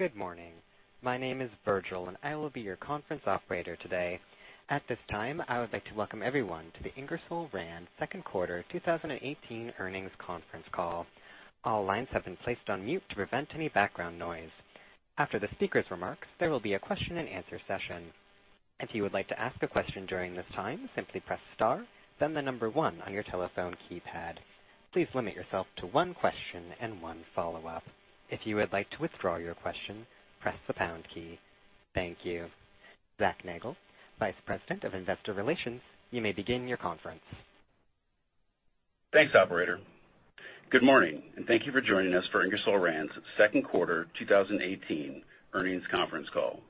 Good morning. My name is Virgil, and I will be your conference operator today. At this time, I would like to welcome everyone to the Ingersoll Rand second quarter 2018 earnings conference call. All lines have been placed on mute to prevent any background noise. After the speaker's remarks, there will be a question and answer session. If you would like to ask a question during this time, simply press star, then 1 on your telephone keypad. Please limit yourself to 1 question and 1 follow-up. If you would like to withdraw your question, press the pound key. Thank you. Zachary Nagle, Vice President of Investor Relations, you may begin your conference. Thanks, operator. Good morning, and thank you for joining us for Ingersoll Rand's second quarter 2018 earnings conference call.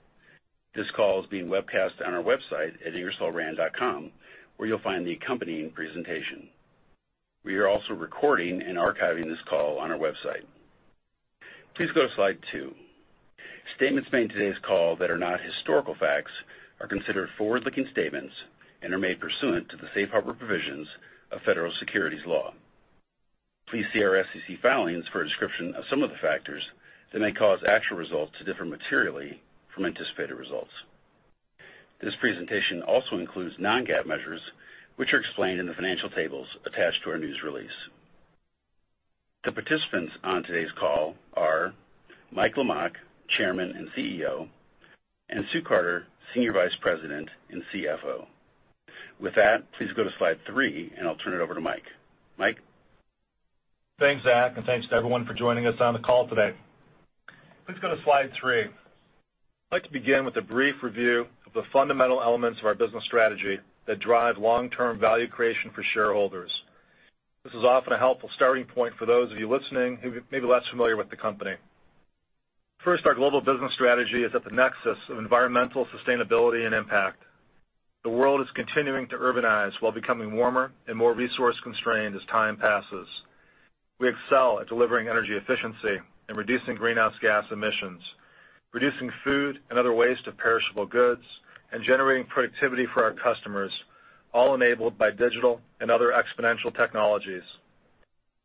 This call is being webcast on our website at ingersollrand.com, where you'll find the accompanying presentation. We are also recording and archiving this call on our website. Please go to slide two. Statements made in today's call that are not historical facts are considered forward-looking statements and are made pursuant to the safe harbor provisions of federal securities law. Please see our SEC filings for a description of some of the factors that may cause actual results to differ materially from anticipated results. This presentation also includes non-GAAP measures, which are explained in the financial tables attached to our news release. The participants on today's call are Mike Lamach, Chairman and CEO, and Sue Carter, Senior Vice President and CFO. With that, please go to slide three, and I'll turn it over to Mike. Mike? Thanks, Zach, and thanks to everyone for joining us on the call today. Please go to slide three. I'd like to begin with a brief review of the fundamental elements of our business strategy that drive long-term value creation for shareholders. This is often a helpful starting point for those of you listening who may be less familiar with the company. First, our global business strategy is at the nexus of environmental sustainability and impact. The world is continuing to urbanize while becoming warmer and more resource-constrained as time passes. We excel at delivering energy efficiency and reducing greenhouse gas emissions, reducing food and other waste of perishable goods, and generating productivity for our customers, all enabled by digital and other exponential technologies.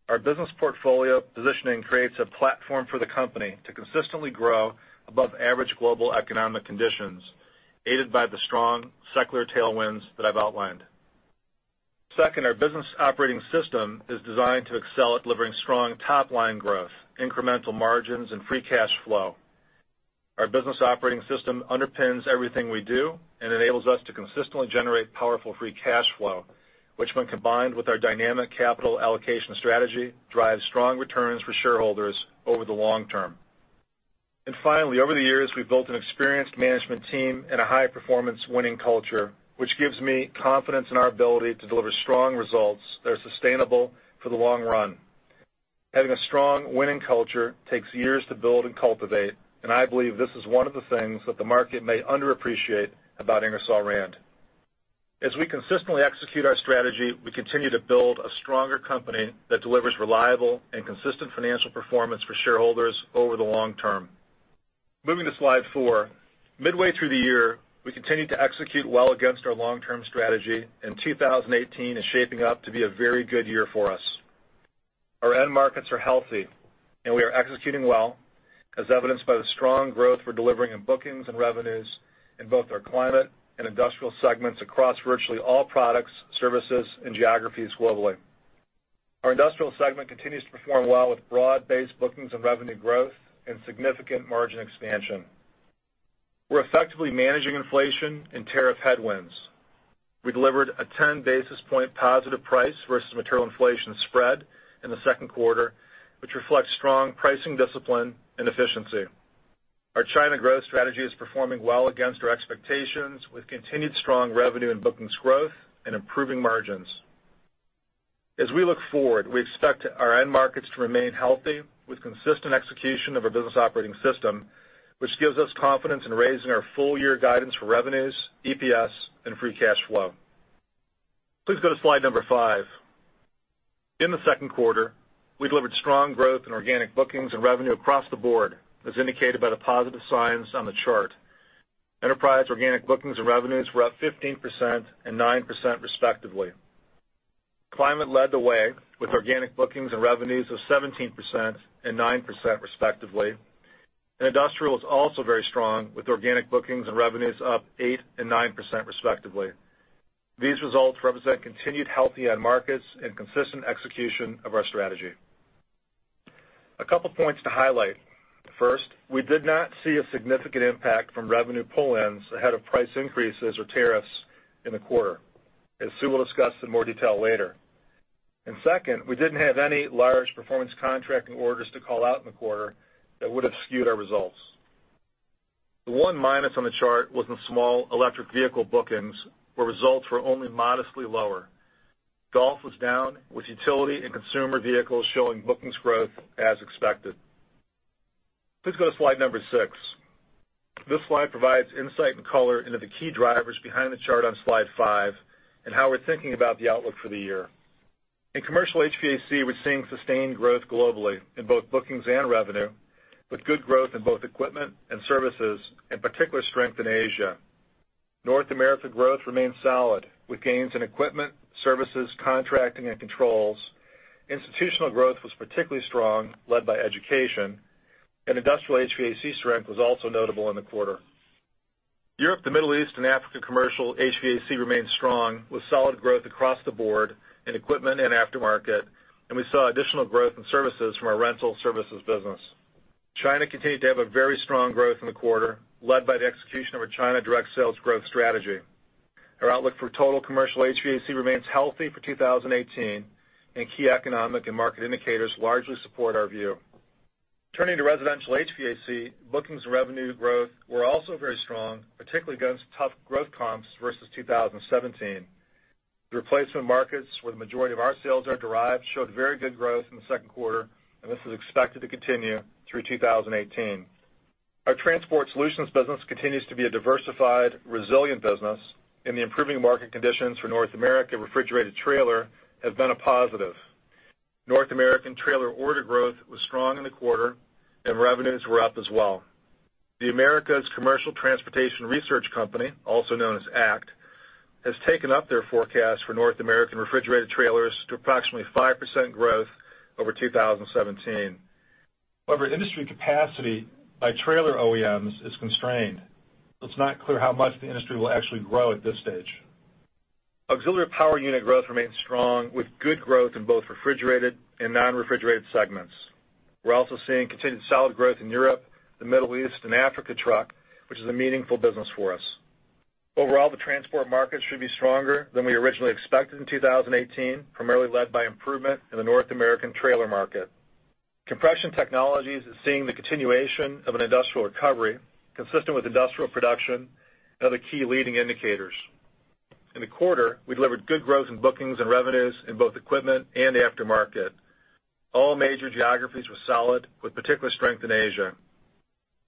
Our business portfolio positioning creates a platform for the company to consistently grow above average global economic conditions, aided by the strong secular tailwinds that I have outlined. Second, our business operating system is designed to excel at delivering strong top-line growth, incremental margins, and free cash flow. Our business operating system underpins everything we do and enables us to consistently generate powerful free cash flow, which when combined with our dynamic capital allocation strategy, drives strong returns for shareholders over the long term. Finally, over the years, we've built an experienced management team and a high-performance winning culture, which gives me confidence in our ability to deliver strong results that are sustainable for the long run. Having a strong winning culture takes years to build and cultivate, and I believe this is one of the things that the market may underappreciate about Ingersoll Rand. As we consistently execute our strategy, we continue to build a stronger company that delivers reliable and consistent financial performance for shareholders over the long term. Moving to slide four. Midway through the year, we continued to execute well against our long-term strategy, and 2018 is shaping up to be a very good year for us. Our end markets are healthy, and we are executing well, as evidenced by the strong growth we're delivering in bookings and revenues in both our climate and industrial segments across virtually all products, services, and geographies globally. Our industrial segment continues to perform well with broad-based bookings and revenue growth and significant margin expansion. We're effectively managing inflation and tariff headwinds. We delivered a 10-basis point positive price versus material inflation spread in the second quarter, which reflects strong pricing discipline and efficiency. Our China growth strategy is performing well against our expectations, with continued strong revenue and bookings growth and improving margins. As we look forward, we expect our end markets to remain healthy with consistent execution of our business operating system, which gives us confidence in raising our full-year guidance for revenues, EPS, and free cash flow. Please go to slide number five. In the second quarter, we delivered strong growth in organic bookings and revenue across the board, as indicated by the positive signs on the chart. Enterprise organic bookings and revenues were up 15% and 9% respectively. Climate led the way with organic bookings and revenues of 17% and 9% respectively. Industrial was also very strong with organic bookings and revenues up eight and 9% respectively. These results represent continued healthy end markets and consistent execution of our strategy. A couple points to highlight. First, we did not see a significant impact from revenue pull-ins ahead of price increases or tariffs in the quarter, as Sue will discuss in more detail later. Second, we didn't have any large performance contracting orders to call out in the quarter that would have skewed our results. The one minus on the chart was in small electric vehicle bookings, where results were only modestly lower. Golf was down with utility and consumer vehicles showing bookings growth as expected. Please go to slide number six. This slide provides insight and color into the key drivers behind the chart on slide five and how we're thinking about the outlook for the year. In commercial HVAC, we're seeing sustained growth globally in both bookings and revenue with good growth in both equipment and services, and particular strength in Asia. North America growth remained solid with gains in equipment, services, contracting, and controls. Institutional growth was particularly strong, led by education, and industrial HVAC strength was also notable in the quarter. Europe, the Middle East, and Africa commercial HVAC remains strong with solid growth across the board in equipment and aftermarket, and we saw additional growth in services from our rental services business. China continued to have a very strong growth in the quarter, led by the execution of a China direct sales growth strategy. Our outlook for total commercial HVAC remains healthy for 2018, key economic and market indicators largely support our view. Turning to residential HVAC, bookings and revenue growth were also very strong, particularly against tough growth comps versus 2017. The replacement markets where the majority of our sales are derived showed very good growth in the second quarter, this is expected to continue through 2018. Our transport solutions business continues to be a diversified, resilient business, the improving market conditions for North America refrigerated trailer has been a positive. North American trailer order growth was strong in the quarter, revenues were up as well. The Americas Commercial Transportation Research company, also known as ACT, has taken up their forecast for North American refrigerated trailers to approximately 5% growth over 2017. However, industry capacity by trailer OEMs is constrained, so it's not clear how much the industry will actually grow at this stage. Auxiliary power unit growth remains strong with good growth in both refrigerated and non-refrigerated segments. We're also seeing continued solid growth in Europe, the Middle East, and Africa truck, which is a meaningful business for us. Overall, the transport market should be stronger than we originally expected in 2018, primarily led by improvement in the North American trailer market. Compression Technologies is seeing the continuation of an industrial recovery consistent with industrial production and other key leading indicators. In the quarter, we delivered good growth in bookings and revenues in both equipment and aftermarket. All major geographies were solid, with particular strength in Asia.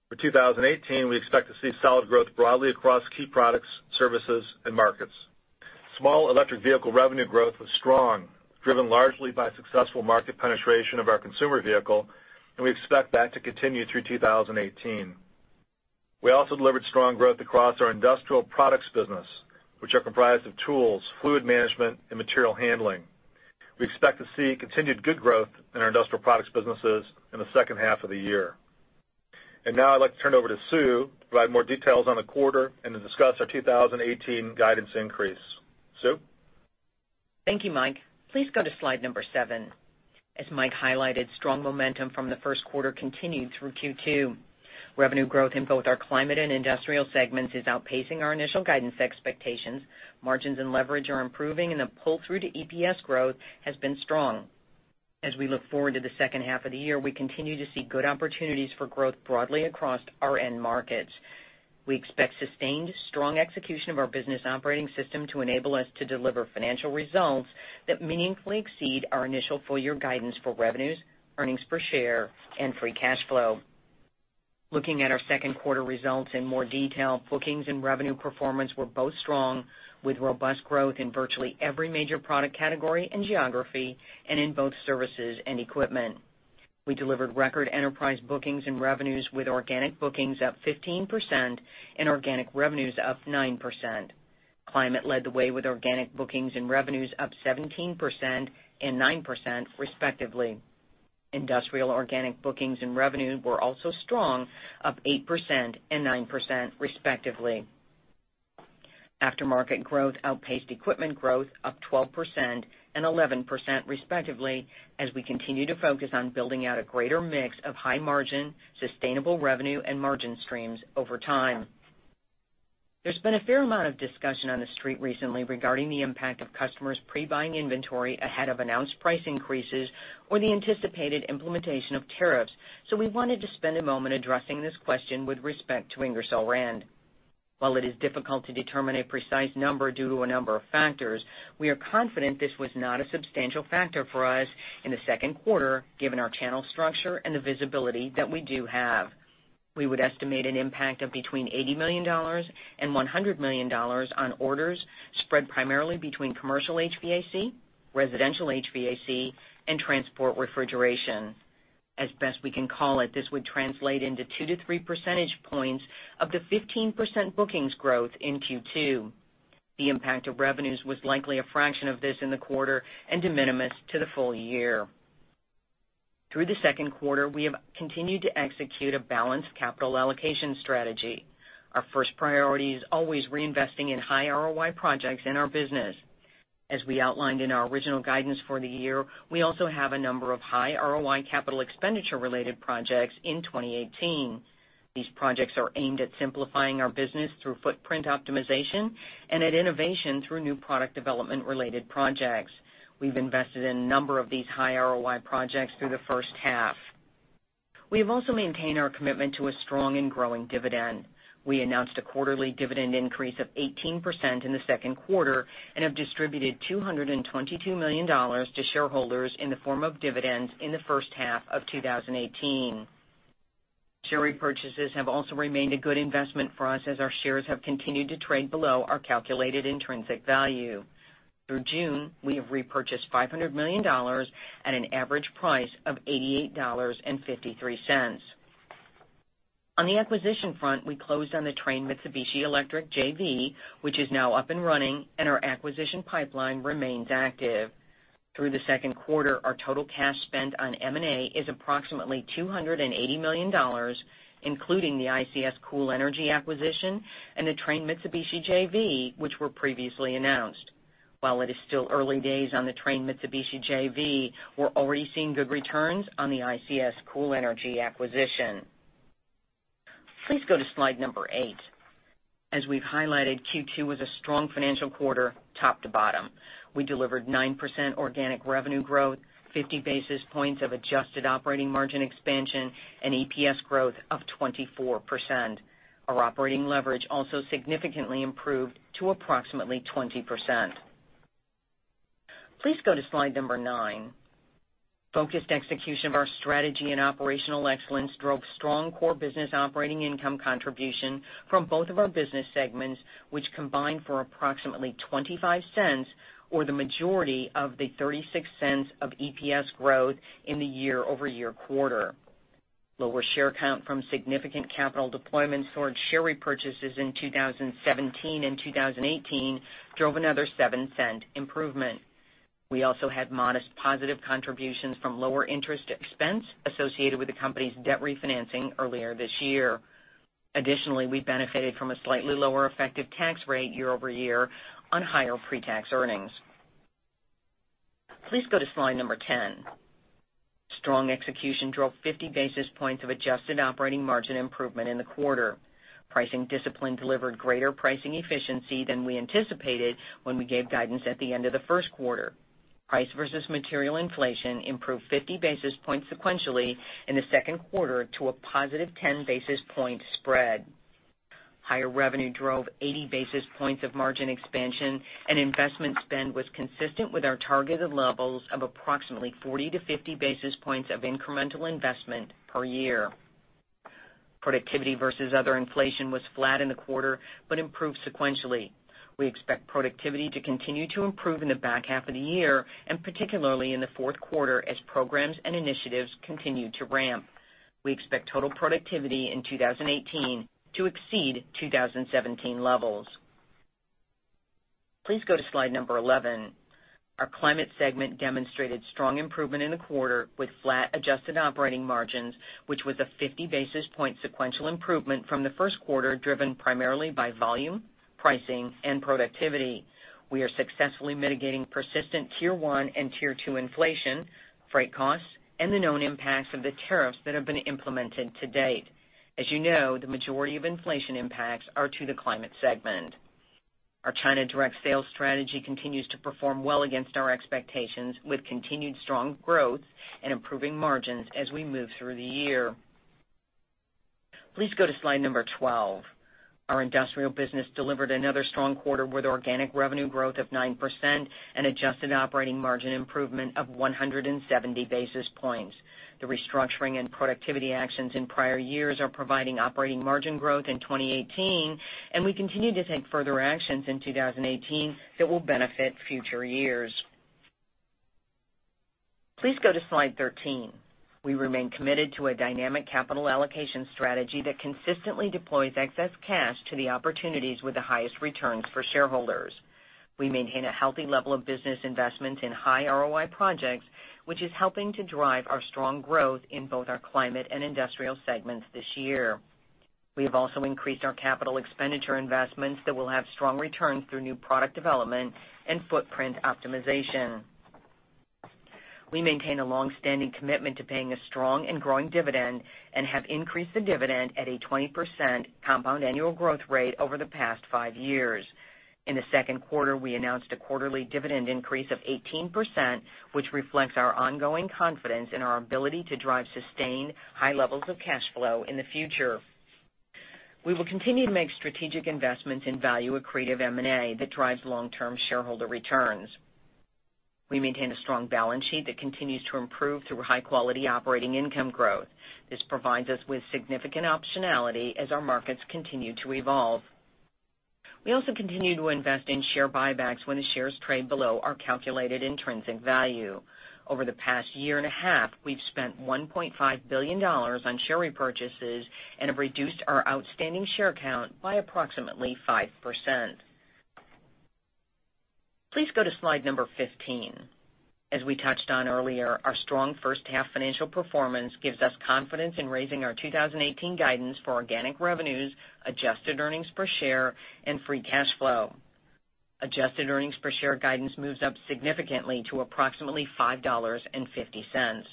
For 2018, we expect to see solid growth broadly across key products, services, and markets. Small electric vehicle revenue growth was strong, driven largely by successful market penetration of our consumer vehicle, we expect that to continue through 2018. We also delivered strong growth across our industrial products business, which are comprised of tools, Fluid Management, and material handling. We expect to see continued good growth in our industrial products businesses in the second half of the year. Now I'd like to turn it over to Sue to provide more details on the quarter and to discuss our 2018 guidance increase. Sue? Thank you, Mike. Please go to slide number seven. As Mike highlighted, strong momentum from the first quarter continued through Q2. Revenue growth in both our climate and industrial segments is outpacing our initial guidance expectations. Margins and leverage are improving, and the pull-through to EPS growth has been strong. As we look forward to the second half of the year, we continue to see good opportunities for growth broadly across our end markets. We expect sustained strong execution of our business operating system to enable us to deliver financial results that meaningfully exceed our initial full year guidance for revenues, earnings per share, and free cash flow. Looking at our second quarter results in more detail, bookings and revenue performance were both strong with robust growth in virtually every major product category and geography, and in both services and equipment. We delivered record enterprise bookings and revenues with organic bookings up 15% and organic revenues up 9%. Climate led the way with organic bookings and revenues up 17% and 9% respectively. Industrial organic bookings and revenues were also strong, up 8% and 9% respectively. Aftermarket growth outpaced equipment growth up 12% and 11% respectively, as we continue to focus on building out a greater mix of high margin, sustainable revenue, and margin streams over time. There has been a fair amount of discussion on the street recently regarding the impact of customers pre-buying inventory ahead of announced price increases or the anticipated implementation of tariffs. We wanted to spend a moment addressing this question with respect to Ingersoll Rand. While it is difficult to determine a precise number due to a number of factors, we are confident this was not a substantial factor for us in the second quarter, given our channel structure and the visibility that we do have. We would estimate an impact of between $80 million and $100 million on orders spread primarily between commercial HVAC, residential HVAC, and transport refrigeration. As best we can call it, this would translate into two to three percentage points of the 15% bookings growth in Q2. The impact of revenues was likely a fraction of this in the quarter and de minimis to the full year. Through the second quarter, we have continued to execute a balanced capital allocation strategy. Our first priority is always reinvesting in high ROI projects in our business. As we outlined in our original guidance for the year, we also have a number of high ROI capital expenditure-related projects in 2018. These projects are aimed at simplifying our business through footprint optimization and at innovation through new product development-related projects. We have invested in a number of these high ROI projects through the first half. We have also maintained our commitment to a strong and growing dividend. We announced a quarterly dividend increase of 18% in the second quarter and have distributed $222 million to shareholders in the form of dividends in the first half of 2018. Share repurchases have also remained a good investment for us as our shares have continued to trade below our calculated intrinsic value. Through June, we have repurchased $500 million at an average price of $88.53. On the acquisition front, we closed on the Trane Mitsubishi Electric JV, which is now up and running, and our acquisition pipeline remains active. Through the second quarter, our total cash spent on M&A is approximately $280 million, including the ICS Cool Energy acquisition and the Trane Mitsubishi JV, which were previously announced. While it is still early days on the Trane Mitsubishi JV, we are already seeing good returns on the ICS Cool Energy acquisition. Please go to slide number eight. As we have highlighted, Q2 was a strong financial quarter, top to bottom. We delivered 9% organic revenue growth, 50 basis points of adjusted operating margin expansion, and EPS growth of 24%. Our operating leverage also significantly improved to approximately 20%. Please go to slide number nine. Focused execution of our strategy and operational excellence drove strong core business operating income contribution from both of our business segments, which combined for approximately $0.25, or the majority of the $0.36 of EPS growth in the year-over-year quarter. Lower share count from significant capital deployment towards share repurchases in 2017 and 2018 drove another $0.07 improvement. We also had modest positive contributions from lower interest expense associated with the company's debt refinancing earlier this year. Additionally, we benefited from a slightly lower effective tax rate year-over-year on higher pre-tax earnings. Please go to slide number 10. Price versus material inflation improved 50 basis points sequentially in the second quarter to a positive 10 basis point spread. Higher revenue drove 80 basis points of margin expansion, investment spend was consistent with our targeted levels of approximately 40 to 50 basis points of incremental investment per year. Productivity versus other inflation was flat in the quarter, but improved sequentially. We expect productivity to continue to improve in the back half of the year and particularly in the fourth quarter as programs and initiatives continue to ramp. We expect total productivity in 2018 to exceed 2017 levels. Please go to slide number 11. We are successfully mitigating persistent tier 1 and tier 2 inflation, freight costs, and the known impacts of the tariffs that have been implemented to date. As you know, the majority of inflation impacts are to the Climate segment. Our China direct sales strategy continues to perform well against our expectations, with continued strong growth and improving margins as we move through the year. Please go to slide number 12. Our Industrial business delivered another strong quarter with organic revenue growth of 9% and adjusted operating margin improvement of 170 basis points. The restructuring and productivity actions in prior years are providing operating margin growth in 2018, and we continue to take further actions in 2018 that will benefit future years. Please go to slide 13. We remain committed to a dynamic capital allocation strategy that consistently deploys excess cash to the opportunities with the highest returns for shareholders. We maintain a healthy level of business investment in high ROI projects, which is helping to drive our strong growth in both our Climate and Industrial segments this year. We have also increased our capital expenditure investments that will have strong returns through new product development and footprint optimization. We maintain a longstanding commitment to paying a strong and growing dividend and have increased the dividend at a 20% compound annual growth rate over the past five years. In the second quarter, we announced a quarterly dividend increase of 18%, which reflects our ongoing confidence in our ability to drive sustained high levels of cash flow in the future. We will continue to make strategic investments in value accretive M&A that drives long-term shareholder returns. We maintain a strong balance sheet that continues to improve through high-quality operating income growth. This provides us with significant optionality as our markets continue to evolve. We also continue to invest in share buybacks when the shares trade below our calculated intrinsic value. Over the past year and a half, we've spent $1.5 billion on share repurchases and have reduced our outstanding share count by approximately 5%. Please go to slide number 15. As we touched on earlier, our strong first half financial performance gives us confidence in raising our 2018 guidance for organic revenues, adjusted earnings per share, and free cash flow. Adjusted earnings per share guidance moves up significantly to approximately $5.50.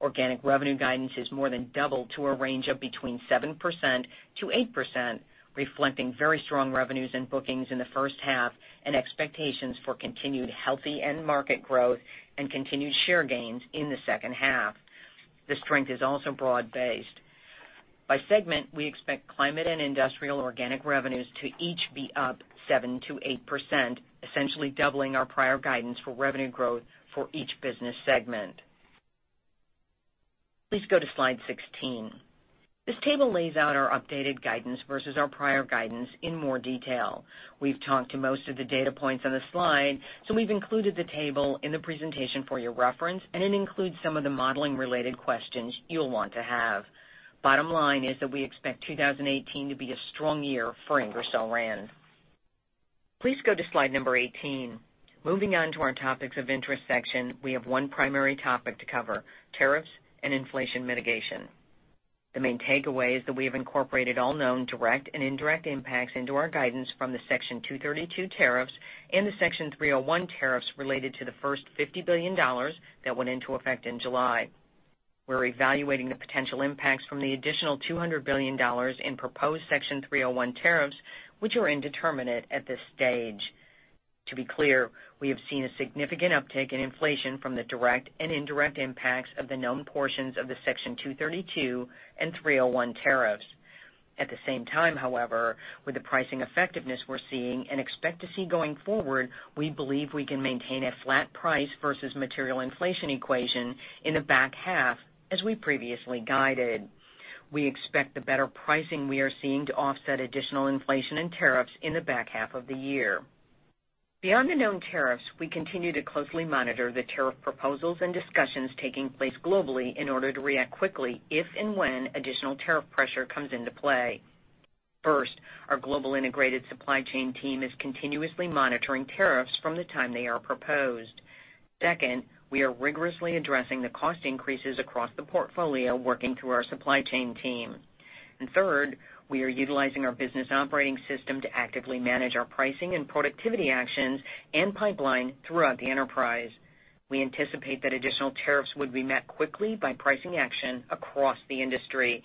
Organic revenue guidance is more than double to a range of between 7%-8%, reflecting very strong revenues and bookings in the first half, and expectations for continued healthy end market growth and continued share gains in the second half. The strength is also broad based. By segment, we expect Climate and Industrial organic revenues to each be up 7%-8%, essentially doubling our prior guidance for revenue growth for each business segment. Please go to slide 16. This table lays out our updated guidance versus our prior guidance in more detail. We've talked to most of the data points on the slide. We've included the table in the presentation for your reference, and it includes some of the modeling related questions you'll want to have. Bottom line is that we expect 2018 to be a strong year for Ingersoll Rand. Please go to slide number 18. Moving on to our topics of interest section, we have one primary topic to cover, tariffs and inflation mitigation. The main takeaway is that we have incorporated all known direct and indirect impacts into our guidance from the Section 232 tariffs and the Section 301 tariffs related to the first $50 billion that went into effect in July. We're evaluating the potential impacts from the additional $200 billion in proposed Section 301 tariffs, which are indeterminate at this stage. To be clear, we have seen a significant uptick in inflation from the direct and indirect impacts of the known portions of the Section 232 and 301 tariffs. At the same time, however, with the pricing effectiveness we're seeing and expect to see going forward, we believe we can maintain a flat price versus material inflation equation in the back half, as we previously guided. We expect the better pricing we are seeing to offset additional inflation and tariffs in the back half of the year. Beyond the known tariffs, we continue to closely monitor the tariff proposals and discussions taking place globally in order to react quickly if and when additional tariff pressure comes into play. First, our global integrated supply chain team is continuously monitoring tariffs from the time they are proposed. Second, we are rigorously addressing the cost increases across the portfolio, working through our supply chain team. Third, we are utilizing our business operating system to actively manage our pricing and productivity actions and pipeline throughout the enterprise. We anticipate that additional tariffs would be met quickly by pricing action across the industry.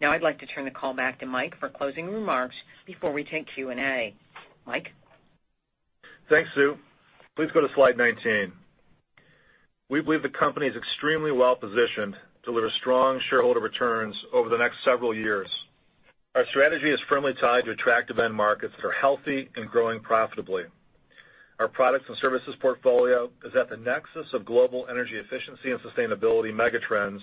Now I'd like to turn the call back to Mike for closing remarks before we take Q&A. Mike? Thanks, Sue. Please go to slide 19. We believe the company is extremely well-positioned to deliver strong shareholder returns over the next several years. Our strategy is firmly tied to attractive end markets that are healthy and growing profitably. Our products and services portfolio is at the nexus of global energy efficiency and sustainability megatrends,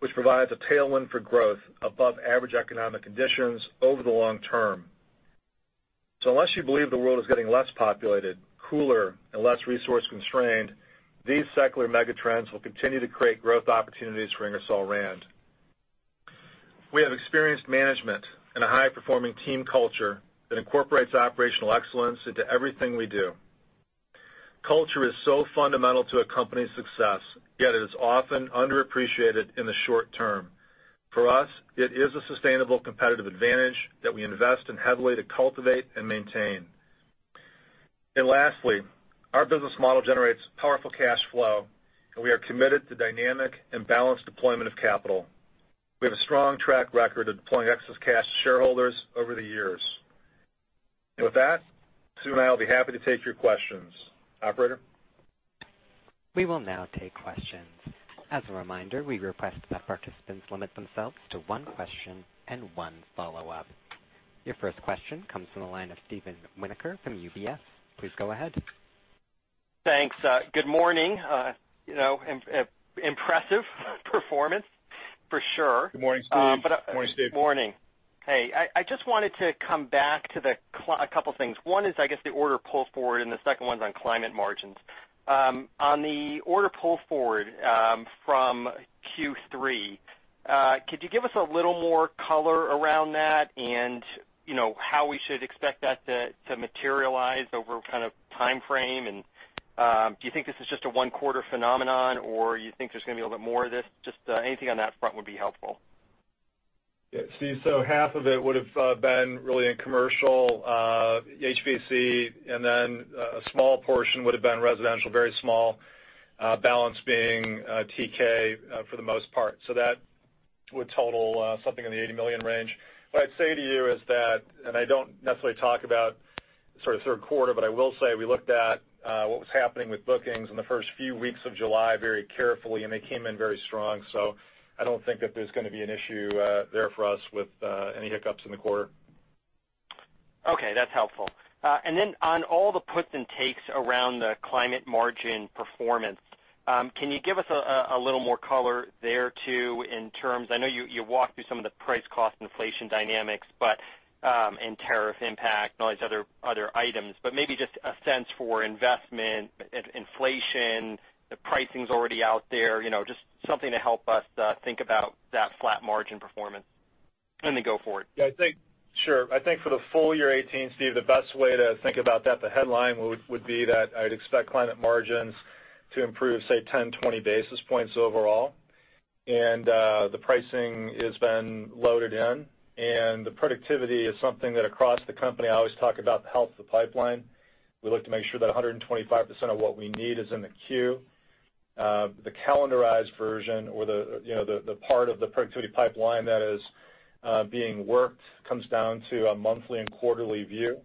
which provides a tailwind for growth above average economic conditions over the long term. Unless you believe the world is getting less populated, cooler, and less resource-constrained, these secular megatrends will continue to create growth opportunities for Ingersoll Rand. We have experienced management and a high-performing team culture that incorporates operational excellence into everything we do. Culture is so fundamental to a company's success, yet it is often underappreciated in the short term. For us, it is a sustainable competitive advantage that we invest in heavily to cultivate and maintain. Lastly, our business model generates powerful cash flow, and we are committed to dynamic and balanced deployment of capital. We have a strong track record of deploying excess cash to shareholders over the years. With that, Sue and I will be happy to take your questions. Operator? We will now take questions. As a reminder, we request that participants limit themselves to one question and one follow-up. Your first question comes from the line of Steven Winoker from UBS. Please go ahead. Thanks. Good morning. Impressive performance, for sure. Good morning, Steve. Morning, Steve. Morning. Hey, I just wanted to come back to a couple things. One is, I guess, the order pull forward, and the second one's on climate margins. On the order pull forward from Q3, could you give us a little more color around that and how we should expect that to materialize over kind of timeframe, and do you think this is just a one-quarter phenomenon, or you think there's gonna be a little bit more of this? Just anything on that front would be helpful. Yeah. Steve, half of it would've been really in commercial HVAC, then a small portion would've been residential, very small. Balance being TK for the most part. That would total something in the $80 million range. What I'd say to you is that, and I don't necessarily talk about sort of third quarter, but I will say we looked at what was happening with bookings in the first few weeks of July very carefully, and they came in very strong. I don't think that there's gonna be an issue there for us with any hiccups in the quarter. That's helpful. On all the puts and takes around the climate margin performance, can you give us a little more color there, too? I know you walked through some of the price cost inflation dynamics, and tariff impact and all these other items, but maybe just a sense for investment, inflation, the pricing's already out there. Just something to help us think about that flat margin performance and then go forward. Yeah, sure. I think for the full year 2018, Steve, the best way to think about that, the headline would be that I'd expect climate margins to improve, say, 10-20 basis points overall. The pricing has been loaded in. The productivity is something that across the company, I always talk about the health of the pipeline. We look to make sure that 125% of what we need is in the queue. The calendarized version or the part of the productivity pipeline that is being worked comes down to a monthly and quarterly view,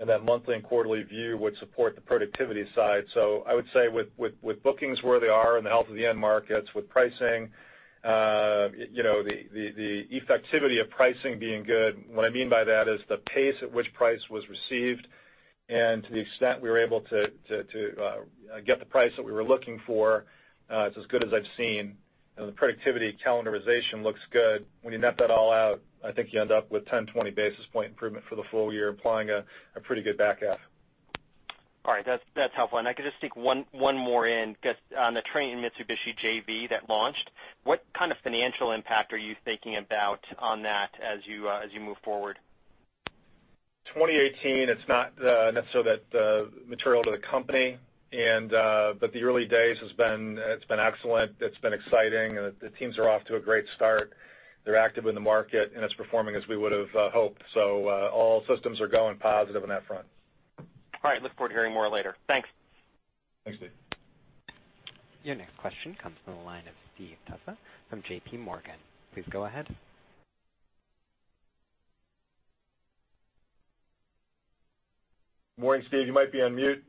and that monthly and quarterly view would support the productivity side. I would say with bookings where they are and the health of the end markets with pricing, the effectivity of pricing being good. What I mean by that is the pace at which price was received, and to the extent we were able to get the price that we were looking for, it's as good as I've seen. The productivity calendarization looks good. When you net that all out, I think you end up with 10-20 basis point improvement for the full year, implying a pretty good back half. All right, that's helpful. I could just sneak one more in on the Trane and Mitsubishi JV that launched. What kind of financial impact are you thinking about on that as you move forward? 2018, it's not necessarily that material to the company. The early days, it's been excellent, it's been exciting, and the teams are off to a great start. They're active in the market, and it's performing as we would've hoped. All systems are going positive on that front. All right. Look forward to hearing more later. Thanks. Thanks, Steve. Your next question comes from the line of Steve Tusa from JP Morgan. Please go ahead. Morning, Steve. You might be on mute.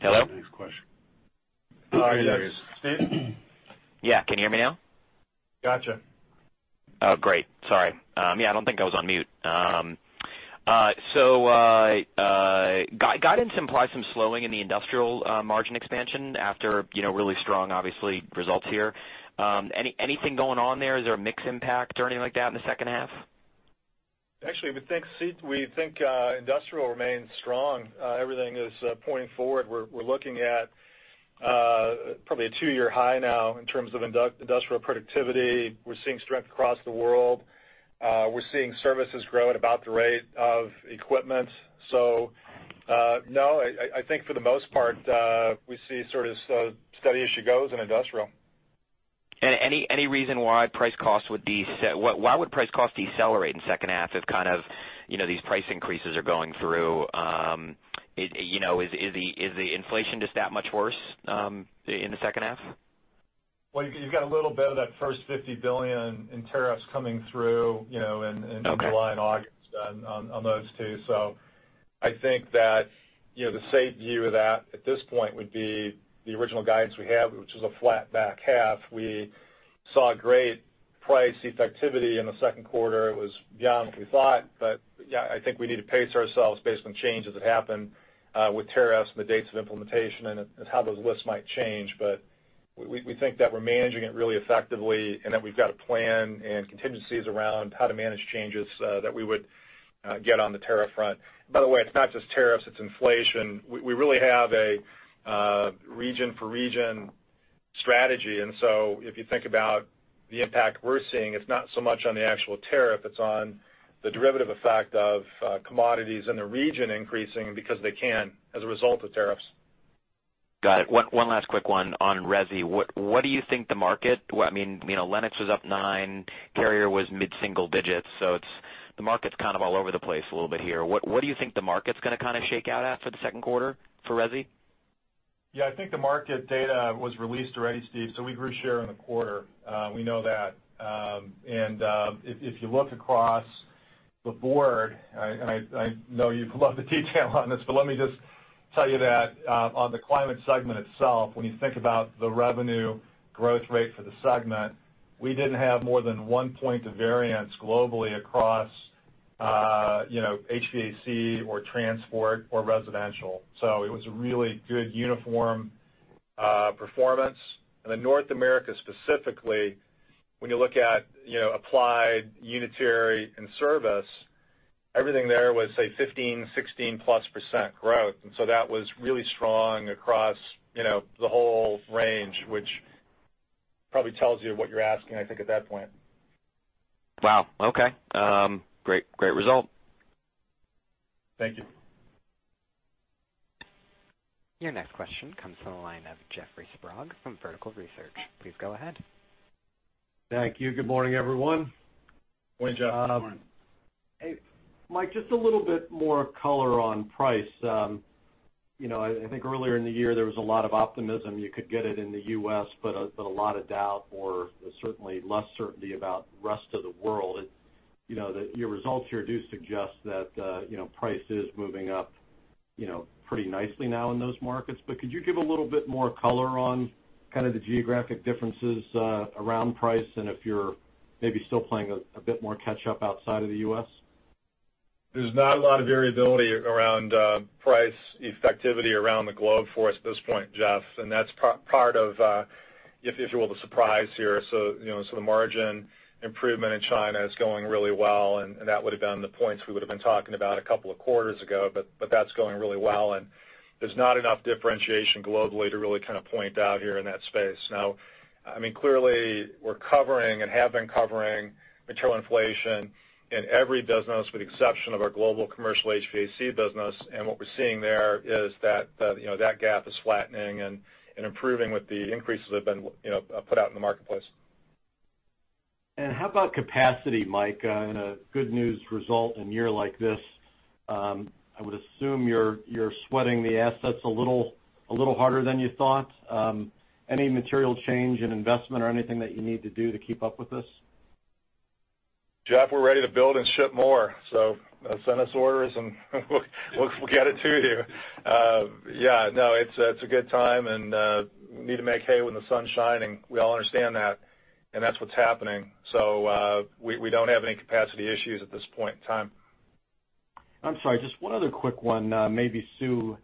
Hello? Next question. There he is. Steve? Yeah. Can you hear me now? Gotcha. Oh, great. Sorry. Yeah, I don't think I was on mute. Guidance implies some slowing in the industrial margin expansion after really strong, obviously, results here. Anything going on there? Is there a mix impact or anything like that in the second half? Actually, we think industrial remains strong. Everything is pointing forward. We're looking at probably a two-year high now in terms of industrial productivity. We're seeing strength across the world. We're seeing services grow at about the rate of equipment. No, I think for the most part, we see sort of steady as she goes in industrial. Any reason why would price cost decelerate in second half if kind of these price increases are going through? Is the inflation just that much worse in the second half? Well, you've got a little bit of that first $50 billion in tariffs coming through. Okay In July and August on those two. I think that the safe view of that at this point would be the original guidance we have, which is a flat back half. We saw great price effectivity in the second quarter. It was beyond what we thought. Yeah, I think we need to pace ourselves based on changes that happen with tariffs and the dates of implementation and how those lists might change. We think that we're managing it really effectively and that we've got a plan and contingencies around how to manage changes that we would get on the tariff front. By the way, it's not just tariffs, it's inflation. We really have a region-for-region strategy, if you think about the impact we're seeing, it's not so much on the actual tariff. It's on the derivative effect of commodities in the region increasing because they can as a result of tariffs. Got it. One last quick one on resi. Lennox was up nine, Carrier was mid-single digits. The market's kind of all over the place a little bit here. What do you think the market's going to kind of shake out at for the second quarter for resi? Yeah, I think the market data was released already, Steve. We grew share in the quarter. We know that. If you look across the board, and I know you'd love the detail on this, but let me just tell you that on the climate segment itself, when you think about the revenue growth rate for the segment, we didn't have more than one point of variance globally across HVAC or transport or residential. It was a really good uniform performance. In North America specifically, when you look at applied, unitary, and service, everything there was, say, 15, 16 plus % growth. That was really strong across the whole range, which probably tells you what you're asking, I think, at that point. Wow, okay. Great result. Thank you. Your next question comes from the line of Jeffrey Sprague from Vertical Research. Please go ahead. Thank you. Good morning, everyone. Morning, Jeff. Good morning. Mike, just a little bit more color on price. I think earlier in the year there was a lot of optimism you could get it in the U.S., but a lot of doubt or certainly less certainty about the rest of the world. Your results here do suggest that price is moving up pretty nicely now in those markets. Could you give a little bit more color on kind of the geographic differences around price and if you're maybe still playing a bit more catch up outside of the U.S.? There's not a lot of variability around price effectivity around the globe for us at this point, Jeffrey, that's part of, if you will, the surprise here. The margin improvement in China is going really well, that would've been the points we would've been talking about a couple of quarters ago, that's going really well, there's not enough differentiation globally to really kind of point out here in that space. Clearly we're covering and have been covering material inflation in every business with the exception of our global commercial HVAC business, what we're seeing there is that gap is flattening and improving with the increases that have been put out in the marketplace. How about capacity, Mike? In a good news result in a year like this, I would assume you're sweating the assets a little harder than you thought. Any material change in investment or anything that you need to do to keep up with this? Jeffrey, we're ready to build and ship more. Send us orders and we'll get it to you. Yeah, no, it's a good time, you need to make hay when the sun's shining. We all understand that's what's happening. We don't have any capacity issues at this point in time. I'm sorry, just one other quick one. Maybe Sue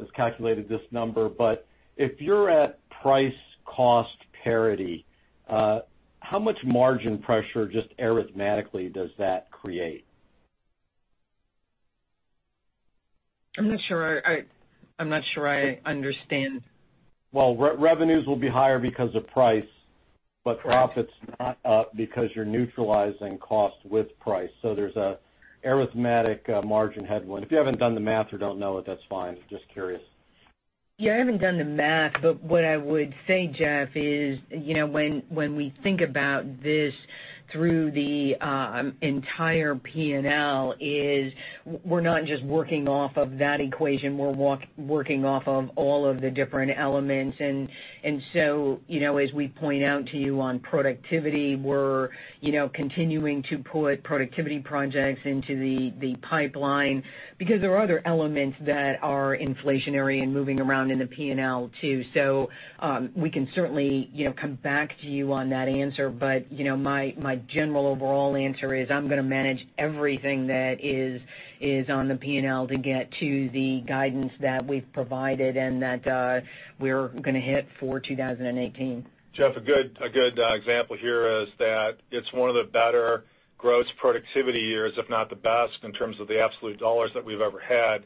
has calculated this number, but if you're at price cost parity, how much margin pressure, just arithmetically, does that create? I'm not sure I understand. Well, revenues will be higher because of price, but profits not up because you're neutralizing cost with price, so there's an arithmetic margin headwind. If you haven't done the math or don't know it, that's fine. Just curious. Yeah, I haven't done the math, but what I would say, Jeff, is when we think about this through the entire P&L is we're not just working off of that equation, we're working off of all of the different elements. As we point out to you on productivity, we're continuing to put productivity projects into the pipeline because there are other elements that are inflationary and moving around in the P&L too. We can certainly come back to you on that answer. My general overall answer is I'm going to manage everything that is on the P&L to get to the guidance that we've provided and that we're going to hit for 2018. Jeffrey, a good example here is that it's one of the better gross productivity years, if not the best, in terms of the absolute dollars that we've ever had.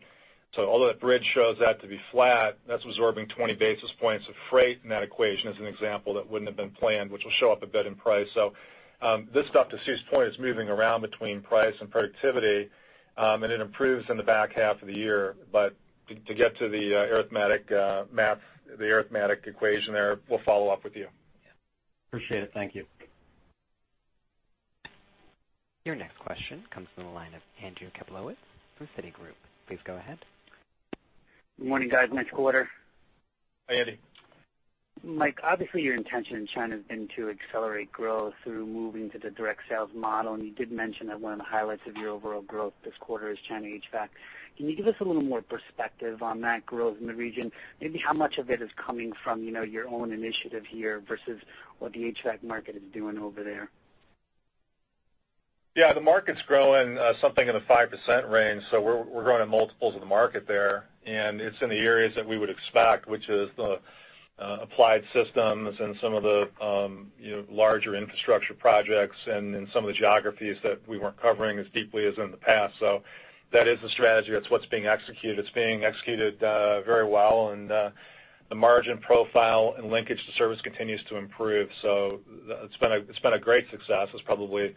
Although that bridge shows that to be flat, that's absorbing 20 basis points of freight in that equation as an example that wouldn't have been planned, which will show up a bit in price. This stuff, to Susan's point, is moving around between price and productivity, and it improves in the back half of the year. To get to the arithmetic equation there, we'll follow up with you. Appreciate it. Thank you. Your next question comes from the line of Andrew Kaplowitz from Citigroup. Please go ahead. Good morning, guys. Nice quarter. Hi, Andy. Mike, obviously, your intention in China has been to accelerate growth through moving to the direct sales model. You did mention that one of the highlights of your overall growth this quarter is China HVAC. Can you give us a little more perspective on that growth in the region? Maybe how much of it is coming from your own initiative here versus what the HVAC market is doing over there? Yeah, the market's growing something in the 5% range. We're growing in multiples of the market there. It's in the areas that we would expect, which is the applied systems and some of the larger infrastructure projects and in some of the geographies that we weren't covering as deeply as in the past. That is the strategy. That's what's being executed. It's being executed very well, and the margin profile and linkage to service continues to improve. It's been a great success. It's probably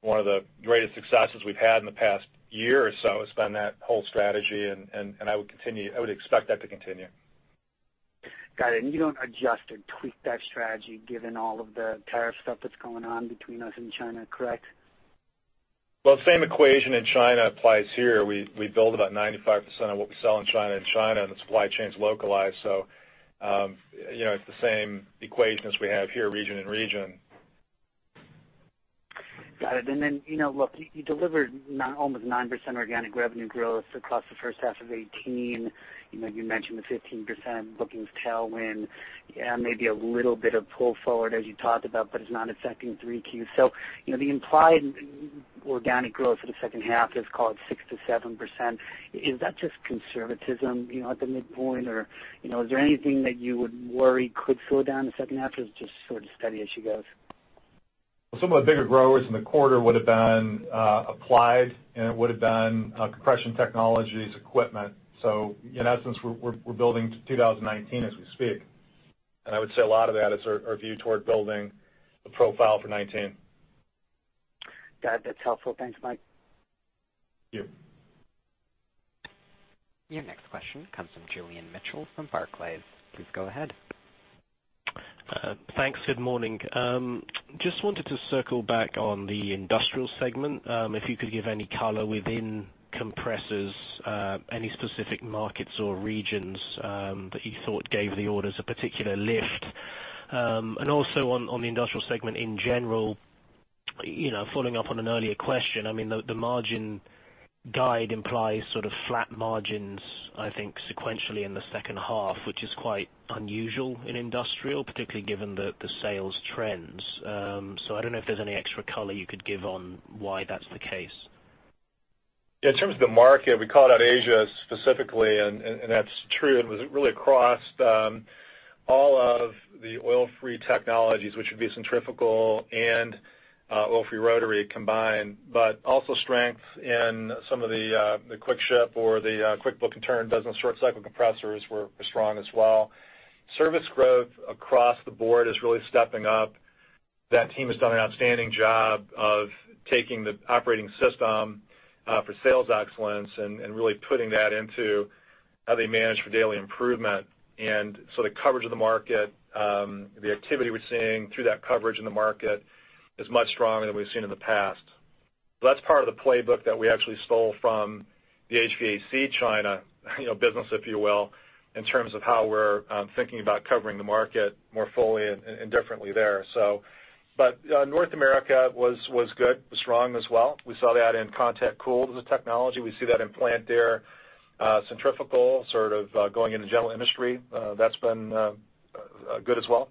one of the greatest successes we've had in the past year or so has been that whole strategy, and I would expect that to continue. Got it. You don't adjust or tweak that strategy given all of the tariff stuff that's going on between us and China, correct? The same equation in China applies here. We build about 95% of what we sell in China, in China, and the supply chain's localized, so it's the same equation as we have here, region and region. Got it. Look, you delivered almost 9% organic revenue growth across the first half of 2018. You mentioned the 15% bookings tailwind, maybe a little bit of pull forward as you talked about, but it's not affecting 3Q. The implied organic growth for the second half is called 6%-7%. Is that just conservatism at the midpoint or is there anything that you would worry could slow down in the second half, or is it just sort of steady as she goes? Some of the bigger growers in the quarter would've been Applied, and it would've been Compression Technologies equipment. In essence, we're building to 2019 as we speak. I would say a lot of that is our view toward building the profile for 2019. Got it. That's helpful. Thanks, Mike. Thank you. Your next question comes from Julian Mitchell from Barclays. Please go ahead. Thanks. Good morning. Just wanted to circle back on the industrial segment. If you could give any color within compressors, any specific markets or regions, that you thought gave the orders a particular lift. Also on the industrial segment in general, following up on an earlier question, the margin guide implies sort of flat margins, I think, sequentially in the second half, which is quite unusual in industrial, particularly given the sales trends. I don't know if there's any extra color you could give on why that's the case. In terms of the market, we called out Asia specifically, and that's true. It was really across all of the oil-free technologies, which would be centrifugal and oil-free rotary combined, but also strength in some of the quick-ship or the quick book and turn business short cycle compressors were strong as well. Service growth across the board is really stepping up. That team has done an outstanding job of taking the operating system for sales excellence and really putting that into how they manage for daily improvement. The coverage of the market, the activity we're seeing through that coverage in the market is much stronger than we've seen in the past. That's part of the playbook that we actually stole from the HVAC China business, if you will, in terms of how we're thinking about covering the market more fully and differently there. North America was good, was strong as well. We saw that in contact cooling as a technology. We see that in plant air. Centrifugal sort of going into general industry. That's been good as well.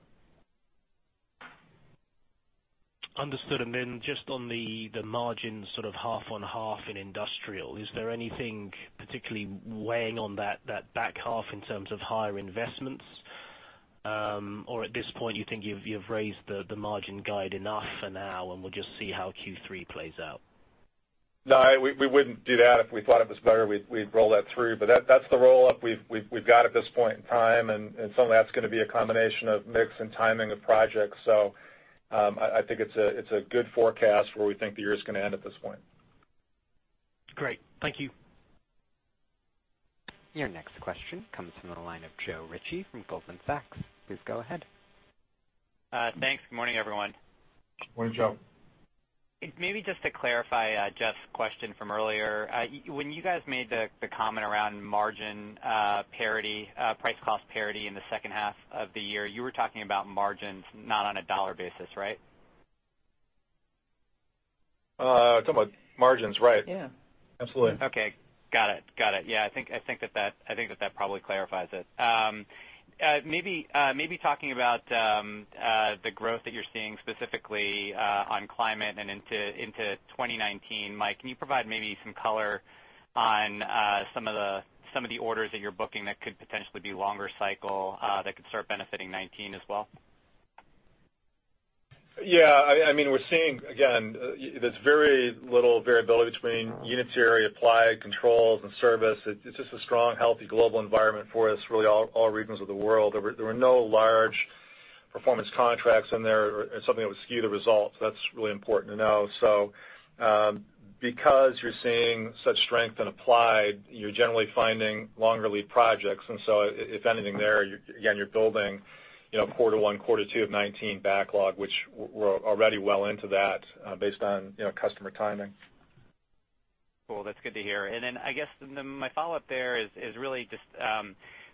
Understood. Then just on the margin sort of half on half in industrial, is there anything particularly weighing on that back half in terms of higher investments? At this point, you think you've raised the margin guide enough for now, and we'll just see how Q3 plays out? No, we wouldn't do that. If we thought it was better, we'd roll that through. That's the roll-up we've got at this point in time. Some of that's going to be a combination of mix and timing of projects. I think it's a good forecast where we think the year is going to end at this point. Great. Thank you. Your next question comes from the line of Joe Ritchie from Goldman Sachs. Please go ahead. Thanks. Good morning, everyone. Morning, Joe. Maybe just to clarify Jeff's question from earlier. When you guys made the comment around margin parity, price cost parity in the second half of the year, you were talking about margins not on a dollar basis, right? Talking about margins, right. Yeah. Absolutely. Okay. Got it. Yeah, I think that probably clarifies it. Maybe talking about the growth that you're seeing specifically on climate and into 2019. Mike, can you provide maybe some color on some of the orders that you're booking that could potentially be longer cycle that could start benefiting 2019 as well? Yeah. We're seeing, again, there's very little variability between unitary applied controls and service. It's just a strong, healthy, global environment for us, really all regions of the world. There were no large performance contracts in there or something that would skew the results. That's really important to know. Because you're seeing such strength in applied, you're generally finding longer lead projects. If anything there, again, you're building quarter one, quarter two of 2019 backlog, which we're already well into that based on customer timing. Cool. That's good to hear. I guess my follow-up there is really just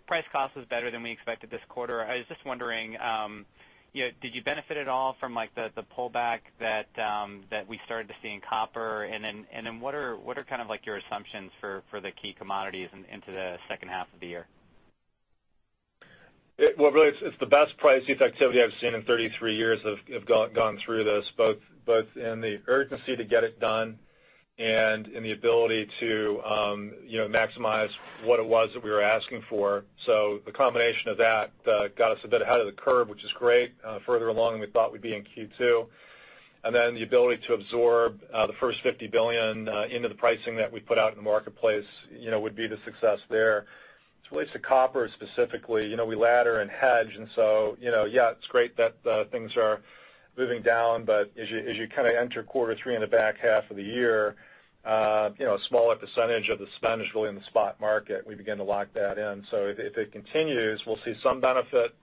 price cost was better than we expected this quarter. I was just wondering, did you benefit at all from the pullback that we started to see in copper? What are kind of your assumptions for the key commodities into the second half of the year? Really, it's the best price effectivity I've seen in 33 years of gone through this, both in the urgency to get it done and in the ability to maximize what it was that we were asking for. The combination of that got us a bit ahead of the curve, which is great. Further along than we thought we'd be in Q2. The ability to absorb the first $50 billion into the pricing that we put out in the marketplace would be the success there. As relates to copper specifically, we ladder and hedge. Yeah, it's great that things are moving down. As you kind of enter quarter three in the back half of the year, a smaller % of the spend is really in the spot market. We begin to lock that in. If it continues, we'll see some benefit,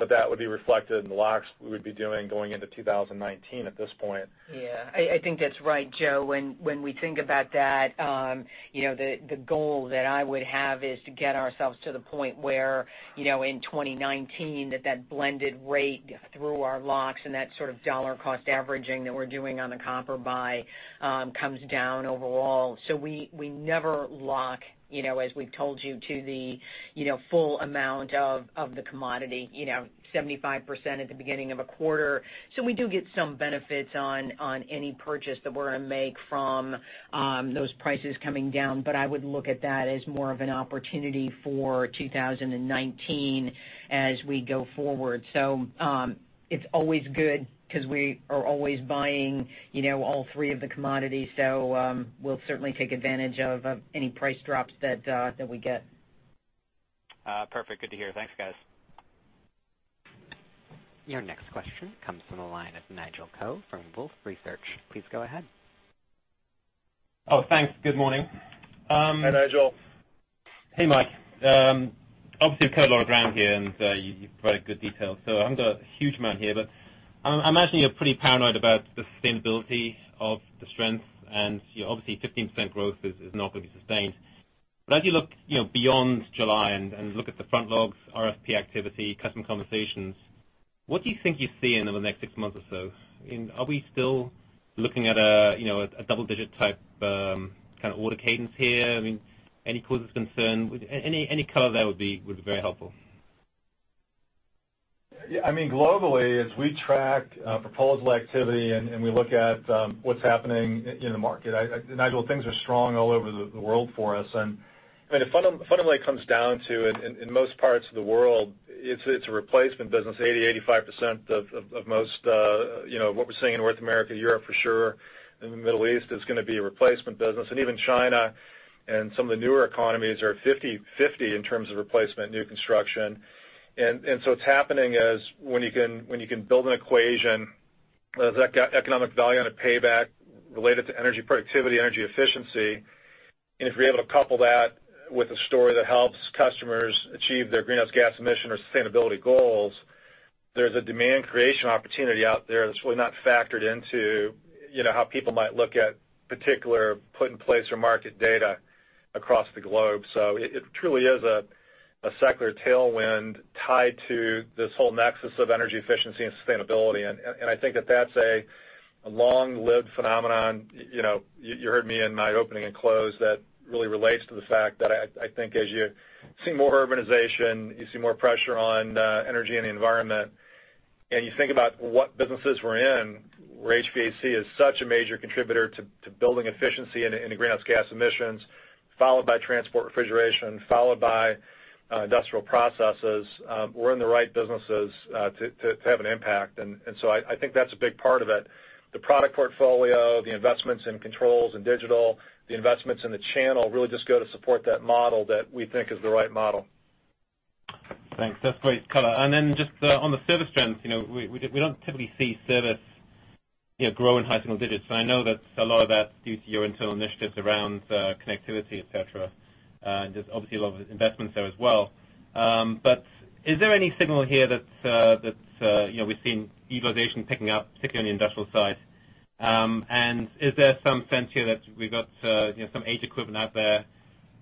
but that would be reflected in the locks we would be doing going into 2019 at this point. Yeah. I think that's right, Joe. When we think about that, the goal that I would have is to get ourselves to the point where, in 2019, that blended rate through our locks and that sort of dollar cost averaging that we're doing on the copper buy comes down overall. We never lock, as we've told you, to the full amount of the commodity, 75% at the beginning of a quarter. We do get some benefits on any purchase that we're going to make from those prices coming down. I would look at that as more of an opportunity for 2019 as we go forward. It's always good because we are always buying all three of the commodities. We'll certainly take advantage of any price drops that we get. Perfect. Good to hear. Thanks, guys. Your next question comes from the line of Nigel Coe from Wolfe Research. Please go ahead. Oh, thanks. Good morning. Hi, Nigel. Hey, Mike. We've covered a lot of ground here, and you provided good detail, so I haven't got a huge amount here, but I imagine you're pretty paranoid about the sustainability of the strength, and obviously 15% growth is not going to be sustained. As you look beyond July and look at the front logs, RFP activity, customer conversations, what do you think you see over the next six months or so? Are we still looking at a double-digit type kind of order cadence here? Any causes concern? Any color there would be very helpful. Globally, as we track proposal activity and we look at what's happening in the market, Nigel, things are strong all over the world for us. It fundamentally comes down to, in most parts of the world, it's a replacement business, 80%-85% of what we're seeing in North America, Europe, for sure, in the Middle East is going to be a replacement business. Even China and some of the newer economies are 50/50 in terms of replacement, new construction. What's happening is when you can build an equation, there's economic value on a payback related to energy productivity, energy efficiency. If you're able to couple that with a story that helps customers achieve their greenhouse gas emission or sustainability goals, there's a demand creation opportunity out there that's really not factored into how people might look at particular put in place or market data across the globe. It truly is a secular tailwind tied to this whole nexus of energy efficiency and sustainability. I think that's a long-lived phenomenon. You heard me in my opening and close that really relates to the fact that I think as you see more urbanization, you see more pressure on energy and the environment, and you think about what businesses we're in, where HVAC is such a major contributor to building efficiency and greenhouse gas emissions, followed by transport refrigeration, followed by industrial processes. We're in the right businesses to have an impact. I think that's a big part of it. The product portfolio, the investments in controls and digital, the investments in the channel, really just go to support that model that we think is the right model. Thanks. That's great color. Just on the service trends, we don't typically see service grow in high single digits. I know that a lot of that is due to your internal initiatives around connectivity, et cetera, and there's obviously a lot of investments there as well. Is there any signal here that we've seen utilization ticking up, particularly on the industrial side? Is there some sense here that we've got some age equipment out there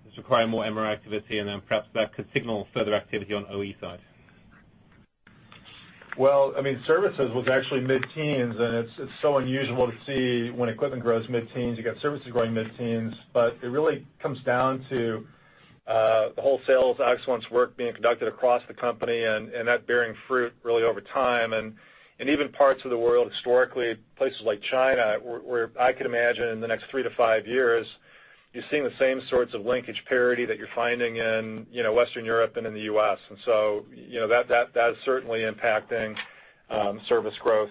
that's requiring more M&R activity and then perhaps that could signal further activity on the OE side? Services was actually mid-teens, it's so unusual to see when equipment grows mid-teens, you got services growing mid-teens. It really comes down to the whole sales excellence work being conducted across the company, that bearing fruit really over time. Even parts of the world, historically, places like China, where I could imagine in the next three to five years, you're seeing the same sorts of linkage parity that you're finding in Western Europe and in the U.S. That is certainly impacting service growth.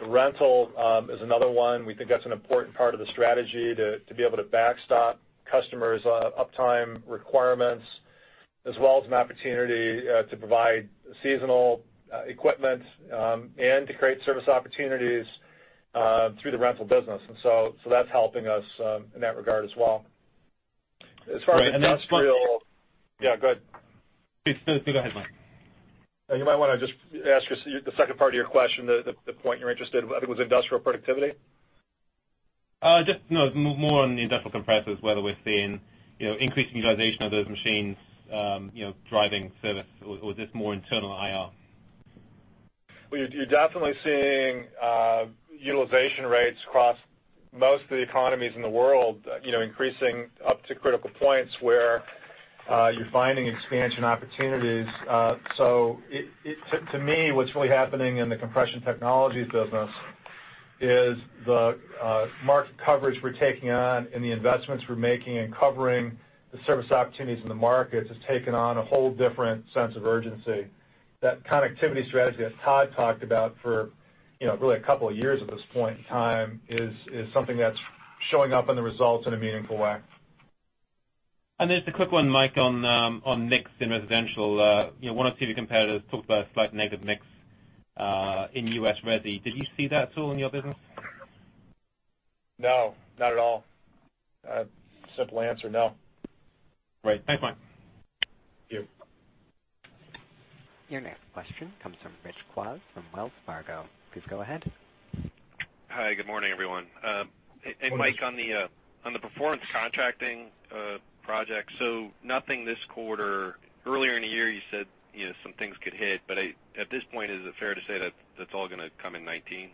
Rental is another one. We think that's an important part of the strategy to be able to backstop customers' uptime requirements, as well as an opportunity to provide seasonal equipment, and to create service opportunities through the rental business. That's helping us in that regard as well. As far as industrial- Just one- Yeah, go ahead. Please go ahead, Mike. You might want to just ask the second part of your question, the point you're interested, I think was industrial productivity? Just no, more on the industrial compressors, whether we're seeing increasing utilization of those machines driving service or is this more internal IR? Well, you're definitely seeing utilization rates across most of the economies in the world increasing up to critical points where you're finding expansion opportunities. To me, what's really happening in the Compression Technologies business is the market coverage we're taking on and the investments we're making and covering the service opportunities in the markets has taken on a whole different sense of urgency. That connectivity strategy that Todd talked about for really a couple of years at this point in time is something that's showing up in the results in a meaningful way. Just a quick one, Mike, on mix in residential. One or two of the competitors talked about a slight negative mix in U.S. resi. Did you see that at all in your business? No, not at all. Simple answer, no. Right. Thanks, Mike. Thank you. Your next question comes from Rich Kwas from Wells Fargo. Please go ahead. Hi. Good morning, everyone. Mike, on the performance contracting project. Nothing this quarter. Earlier in the year, you said some things could hit, but at this point, is it fair to say that that's all going to come in 2019?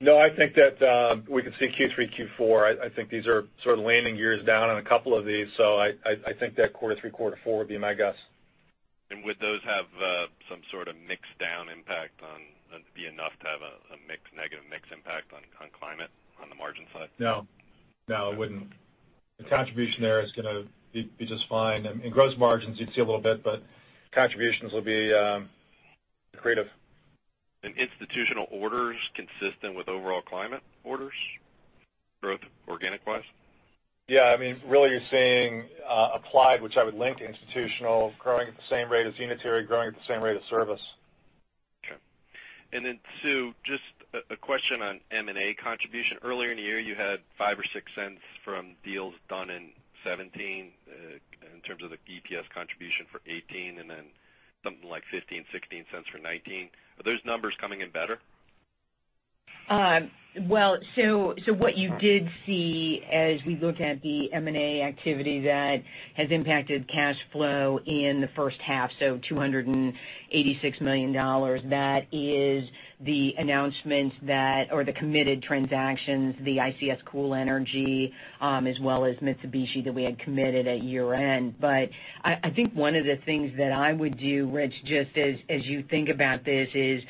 No, I think that we could see Q3, Q4. I think these are sort of landing gears down on a couple of these. I think that quarter three, quarter four would be my guess. Would those be enough to have a negative mix impact on climate on the margin side? No. No, it wouldn't. The contribution there is going to be just fine. In gross margins, you'd see a little bit, contributions will be accretive. Institutional orders consistent with overall climate orders, growth organic-wise? You're seeing Applied, which I would link institutional, growing at the same rate as unitary, growing at the same rate as service. Sue, just a question on M&A contribution. Earlier in the year, you had $0.05 or $0.06 from deals done in 2017 in terms of the EPS contribution for 2018, then something like $0.15, $0.16 for 2019. Are those numbers coming in better? Well, what you did see as we look at the M&A activity that has impacted cash flow in the first half, $286 million, that is the announcements that or the committed transactions, the ICS Cool Energy, as well as Mitsubishi that we had committed at year-end. I think one of the things that I would do, Rich, just as you think about this is,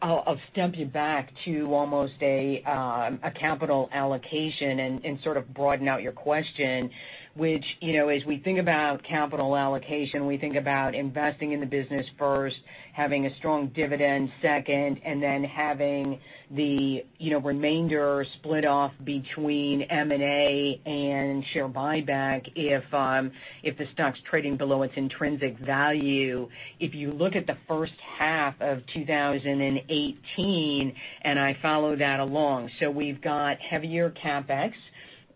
I'll step you back to almost a capital allocation and sort of broaden out your question, which as we think about capital allocation, we think about investing in the business first, having a strong dividend second, and then having the remainder split off between M&A and share buyback if the stock's trading below its intrinsic value. If you look at the first half of 2018, and I follow that along. We've got heavier CapEx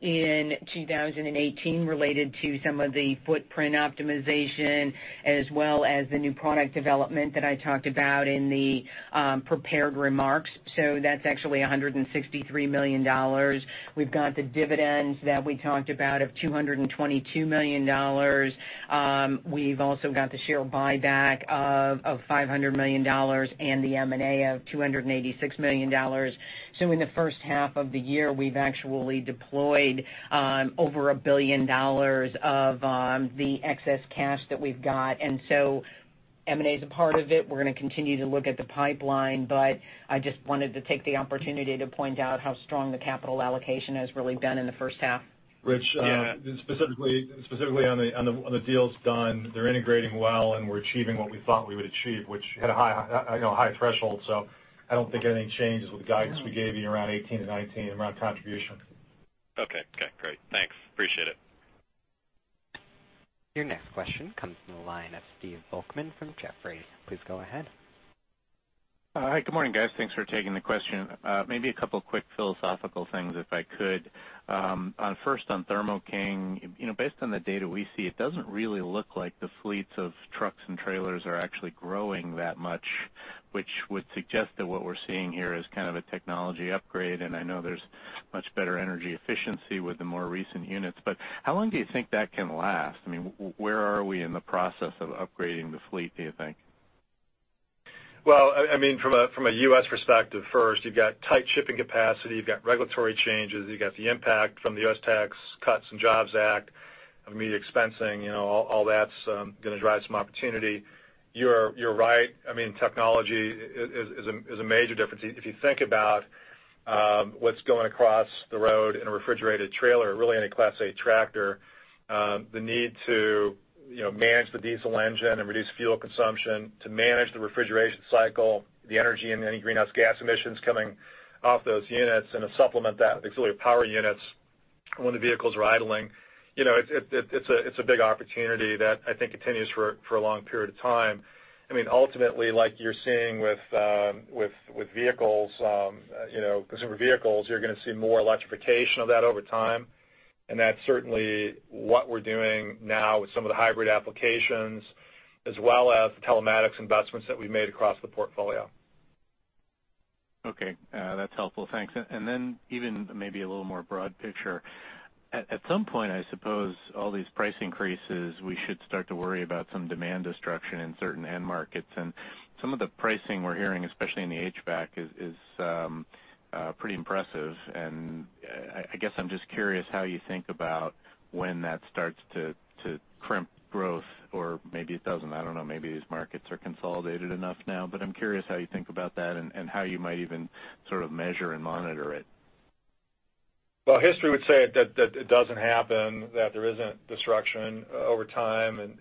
in 2018 related to some of the footprint optimization as well as the new product development that I talked about in the prepared remarks. That's actually $163 million. We've got the dividends that we talked about of $222 million. We've also got the share buyback of $500 million and the M&A of $286 million. In the first half of the year, we've actually deployed over $1 billion of the excess cash that we've got. M&A is a part of it. We're going to continue to look at the pipeline, I just wanted to take the opportunity to point out how strong the capital allocation has really been in the first half. Rich- Yeah. Specifically on the deals done, they're integrating well, and we're achieving what we thought we would achieve, which had a high threshold. I don't think any changes with the guidance we gave you around 2018 and 2019 around contribution. Okay. Great. Thanks. Appreciate it. Your next question comes from the line of Stephen Volkmann from Jefferies. Please go ahead. Hi. Good morning, guys. Thanks for taking the question. Maybe a couple quick philosophical things, if I could. First, on Thermo King. Based on the data we see, it doesn't really look like the fleets of trucks and trailers are actually growing that much, which would suggest that what we're seeing here is kind of a technology upgrade, and I know there's much better energy efficiency with the more recent units, but how long do you think that can last? Where are we in the process of upgrading the fleet, do you think? Well, from a U.S. perspective, first, you've got tight shipping capacity, you've got regulatory changes, you've got the impact from the U.S. Tax Cuts and Jobs Act, immediate expensing. All that's going to drive some opportunity. You're right. Technology is a major difference. If you think about what's going across the road in a refrigerated trailer, really any Class 8 tractor, the need to manage the diesel engine and reduce fuel consumption, to manage the refrigeration cycle, the energy and any greenhouse gas emissions coming off those units, and to supplement that with auxiliary power units when the vehicle's idling. It's a big opportunity that I think continues for a long period of time. Ultimately, like you're seeing with consumer vehicles, you're going to see more electrification of that over time. That's certainly what we're doing now with some of the hybrid applications as well as the telematics investments that we've made across the portfolio. Okay. That's helpful. Thanks. Even maybe a little more broad picture. At some point, I suppose all these price increases, we should start to worry about some demand destruction in certain end markets. Some of the pricing we're hearing, especially in the HVAC, is pretty impressive, and I guess I'm just curious how you think about when that starts to crimp growth or maybe it doesn't. I don't know, maybe these markets are consolidated enough now, but I'm curious how you think about that and how you might even sort of measure and monitor it. Well, history would say that it doesn't happen, that there isn't destruction over time.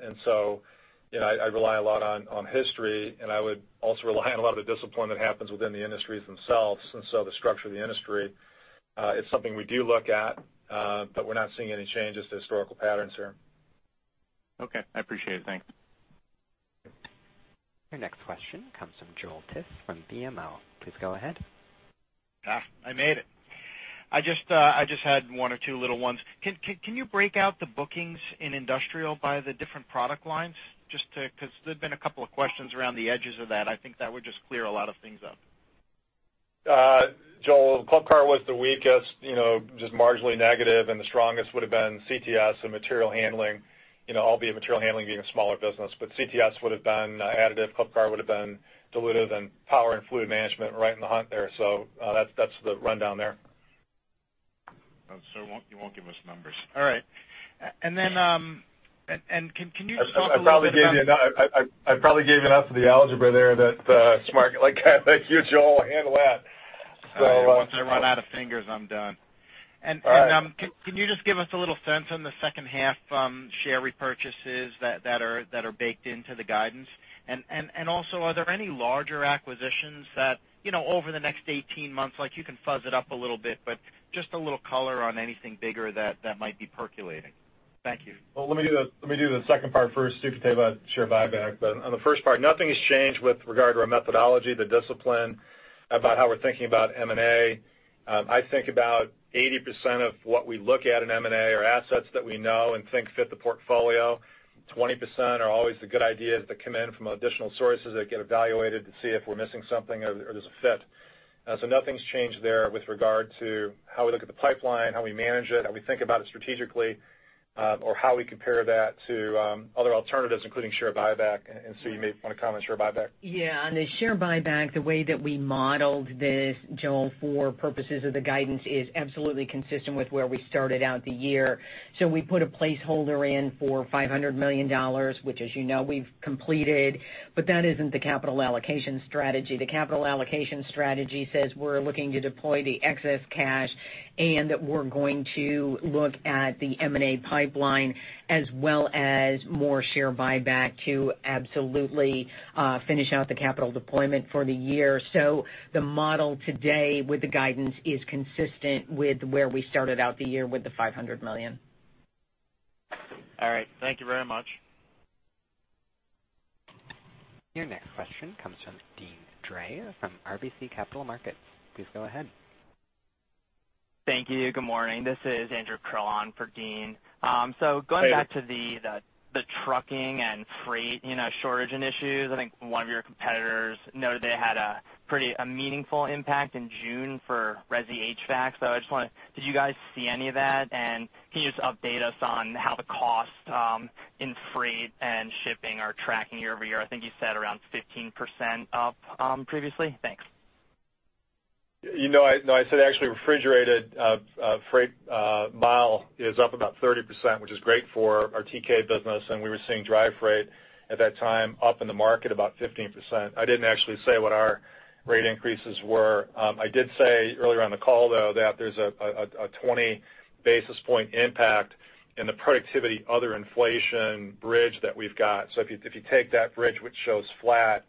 I rely a lot on history, and I would also rely on a lot of the discipline that happens within the industries themselves. The structure of the industry, it's something we do look at, but we're not seeing any changes to historical patterns here. Okay. I appreciate it. Thanks. Your next question comes from Joel Tiss from BMO. Please go ahead. I made it. I just had one or two little ones. Can you break out the bookings in Industrial by the different product lines? Just because there's been a couple of questions around the edges of that. I think that would just clear a lot of things up. Joel, Club Car was the weakest, just marginally negative, and the strongest would've been CTS and material handling. Albeit material handling being a smaller business. CTS would've been additive, Club Car would've been dilutive, and Power and Fluid Management right in the hunt there. That's the rundown there. You won't give us numbers. All right. Can you just talk a little bit about? I probably gave enough of the algebra there that it's more like, "Here, Joel, handle that. Once I run out of fingers, I'm done. All right. Can you just give us a little sense on the second half share repurchases that are baked into the guidance? Are there any larger acquisitions that over the next 18 months, you can fuzz it up a little bit, but just a little color on anything bigger that might be percolating. Thank you. Well, let me do the second part first. Sue could tell you about share buyback. On the first part, nothing has changed with regard to our methodology, the discipline about how we're thinking about M&A. I think about 80% of what we look at in M&A are assets that we know and think fit the portfolio. 20% are always the good ideas that come in from additional sources that get evaluated to see if we're missing something or there's a fit. Nothing's changed there with regard to how we look at the pipeline, how we manage it, how we think about it strategically, or how we compare that to other alternatives, including share buyback. Sue, you may want to comment on share buyback. Yeah. On the share buyback, the way that we modeled this, Joel, for purposes of the guidance, is absolutely consistent with where we started out the year. We put a placeholder in for $500 million, which as you know we've completed, but that isn't the capital allocation strategy. The capital allocation strategy says we're looking to deploy the excess cash and that we're going to look at the M&A pipeline as well as more share buyback to absolutely finish out the capital deployment for the year. The model today with the guidance is consistent with where we started out the year with the $500 million. All right. Thank you very much. Your next question comes from Deane Dray from RBC Capital Markets. Please go ahead. Thank you. Good morning. This is Andrew Obin for Deane. Going back to the trucking and freight shortage and issues, I think one of your competitors noted they had a meaningful impact in June for resi HVAC. Did you guys see any of that? And can you just update us on how the costs in freight and shipping are tracking year-over-year? I think you said around 15% up previously. Thanks. No, I said actually refrigerated freight mile is up about 30%, which is great for our TK business. We were seeing dry freight at that time up in the market about 15%. I didn't actually say what our rate increases were. I did say earlier on the call, though, that there's a 20 basis point impact in the productivity other inflation bridge that we've got. If you take that bridge, which shows flat,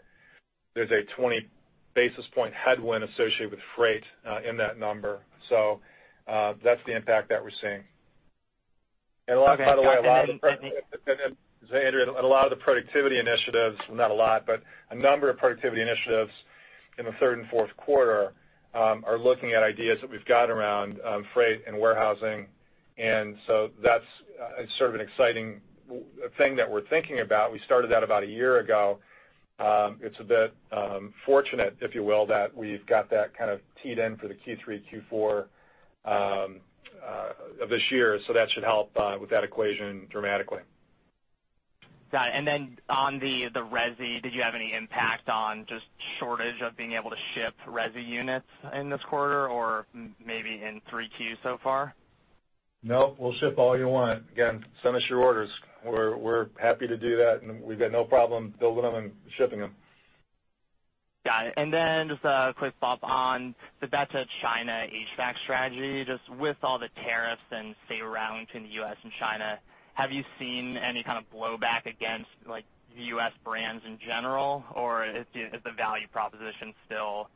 there's a 20 basis point headwind associated with freight in that number. That's the impact that we're seeing. By the way, Andrew, a lot of the productivity initiatives, not a lot, but a number of productivity initiatives in the third and fourth quarter are looking at ideas that we've got around freight and warehousing. That's sort of an exciting thing that we're thinking about. We started that about a year ago. It's a bit fortunate, if you will, that we've got that kind of teed in for the Q3, Q4 of this year. That should help with that equation dramatically. Got it. On the resi, did you have any impact on just shortage of being able to ship resi units in this quarter or maybe in 3Q so far? No, we'll ship all you want. Again, send us your orders. We're happy to do that, and we've got no problem building them and shipping them. Got it. Just a quick thought on the China HVAC strategy. With all the tariffs and, say, around in the U.S. and China, have you seen any kind of blowback against U.S. brands in general, or is the value proposition still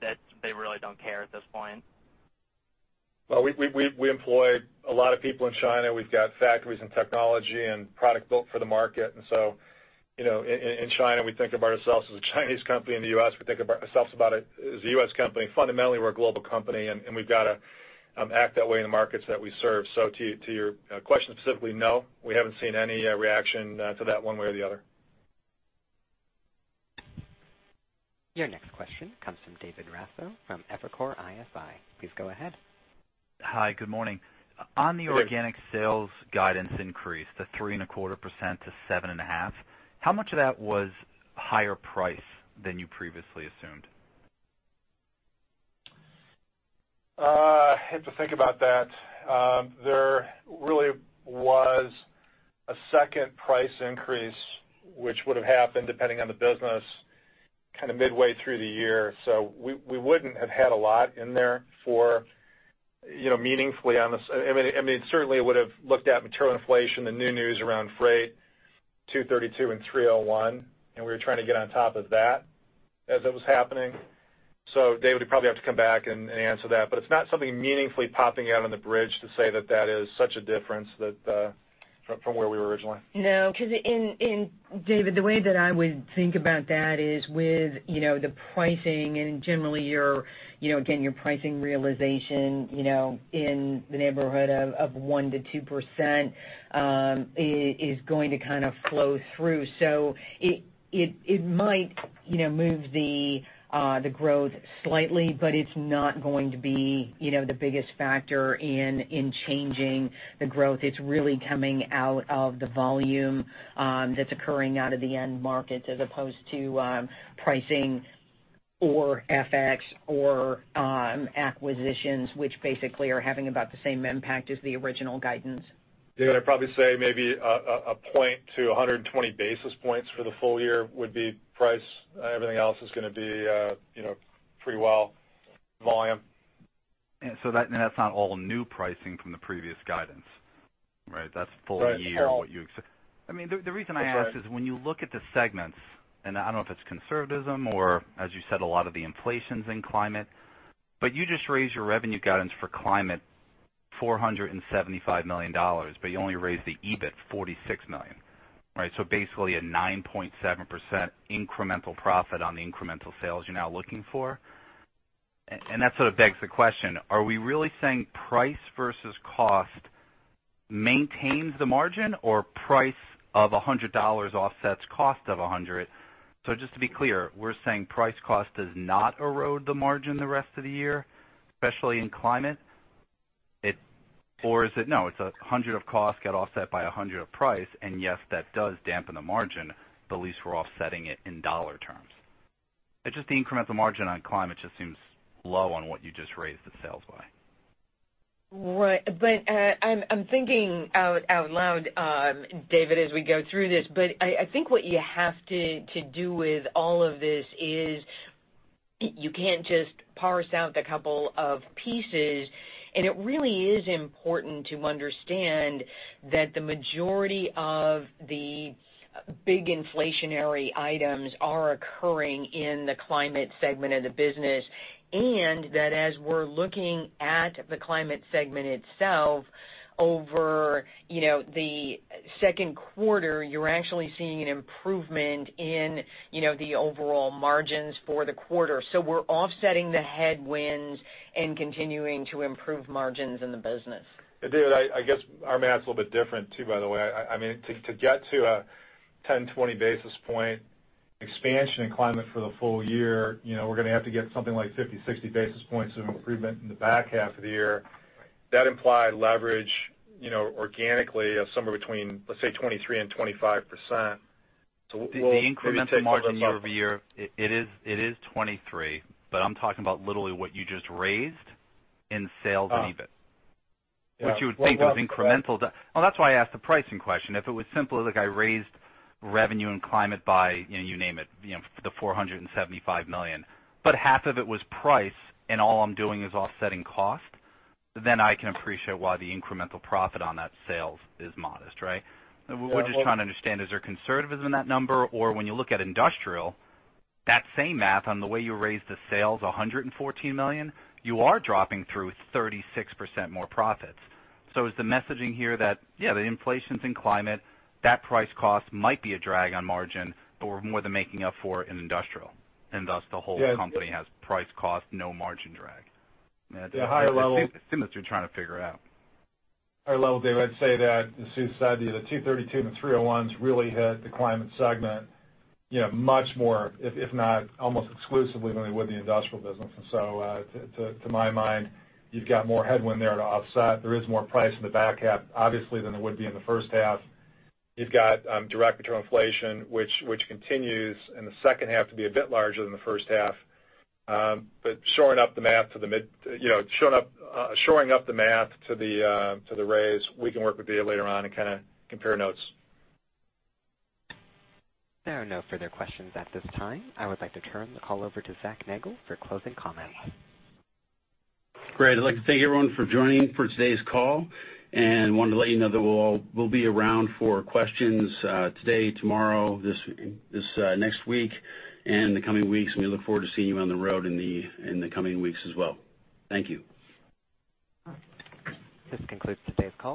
that they really don't care at this point? Well, we employ a lot of people in China. We've got factories and technology and product built for the market. In China, we think about ourselves as a Chinese company. In the U.S., we think about ourselves as a U.S. company. Fundamentally, we're a global company, and we've got to act that way in the markets that we serve. To your question specifically, no, we haven't seen any reaction to that one way or the other. Your next question comes from David Raso from Evercore ISI. Please go ahead. Hi, good morning. On the organic sales guidance increase, the 3.25%-7.5%, how much of that was higher price than you previously assumed? I have to think about that. There really was a second price increase, which would have happened depending on the business, kind of midway through the year. We wouldn't have had a lot in there for meaningfully on this. It certainly would have looked at material inflation, the new news around freight 232 and 301, and we were trying to get on top of that as it was happening. David, we probably have to come back and answer that. It's not something meaningfully popping out on the bridge to say that that is such a difference from where we were originally. No, because David, the way that I would think about that is with the pricing and generally, again, your pricing realization in the neighborhood of 1% to 2% is going to kind of flow through. It might move the growth slightly, but it's not going to be the biggest factor in changing the growth. It's really coming out of the volume that's occurring out of the end markets as opposed to pricing or FX or acquisitions, which basically are having about the same impact as the original guidance. David, I'd probably say maybe one point to 120 basis points for the full year would be price. Everything else is going to be pretty well volume. That's not all new pricing from the previous guidance, right? That's full year what you expect. The reason I ask is when you look at the segments, and I don't know if it's conservatism or, as you said, a lot of the inflation's in climate, but you just raised your revenue guidance for climate $475 million, but you only raised the EBIT $46 million, right? Basically a 9.7% incremental profit on the incremental sales you're now looking for. That sort of begs the question: Are we really saying price versus cost maintains the margin or price of $100 offsets cost of 100? Just to be clear, we're saying price cost does not erode the margin the rest of the year, especially in climate? Is it. No, it's 100 of cost get offset by 100 of price. Yes, that does dampen the margin. At least we're offsetting it in dollar terms. It's just the incremental margin on climate just seems low on what you just raised the sales by. Right. I'm thinking out loud, David, as we go through this. I think what you have to do with all of this is you can't just parse out the couple of pieces. It really is important to understand that the majority of the big inflationary items are occurring in the climate segment of the business. As we're looking at the climate segment itself over the second quarter, you're actually seeing an improvement in the overall margins for the quarter. We're offsetting the headwinds and continuing to improve margins in the business. David, I guess our math's a little bit different too, by the way. To get to a 10, 20 basis point expansion in climate for the full year, we're going to have to get something like 50, 60 basis points of improvement in the back half of the year. That implied leverage organically of somewhere between, let's say, 23% and 25%. The incremental margin year-over-year, it is 23. I'm talking about literally what you just raised in sales and EBIT. Oh. That's why I asked the pricing question. If it was simply like I raised revenue and Climate by, you name it, the $475 million, but half of it was price, and all I'm doing is offsetting cost, then I can appreciate why the incremental profit on that sales is modest, right? We're just trying to understand, is there conservatism in that number? Or when you look at Industrial, that same math on the way you raised the sales $114 million, you are dropping through 36% more profits. Is the messaging here that, yeah, the inflation's in Climate, that price cost might be a drag on margin, but we're more than making up for it in Industrial, and thus the whole company has price cost, no margin drag? At a higher level. That's the premise we're trying to figure out. Higher level, David, I'd say that, as Sue said, the 232 and the 301s really hit the Climate segment much more, if not almost exclusively than they would the Industrial business. To my mind, you've got more headwind there to offset. There is more price in the back half, obviously, than there would be in the first half. You've got direct material inflation, which continues in the second half to be a bit larger than the first half. Shoring up the math to the raise, we can work with you later on and kind of compare notes. There are no further questions at this time. I would like to turn the call over to Zachary Nagle for closing comments. Great. I'd like to thank everyone for joining for today's call and wanted to let you know that we'll be around for questions today, tomorrow, this next week and the coming weeks, and we look forward to seeing you on the road in the coming weeks as well. Thank you. This concludes today's call.